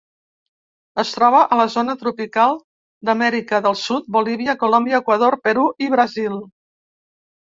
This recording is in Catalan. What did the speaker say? Es troba a la zona tropical d'Amèrica del Sud, Bolívia, Colòmbia, Equador, Perú i Brasil.